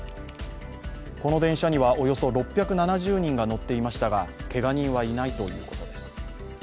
この電車には、およそ６７０人が乗っていましたが、けが人はいないということです。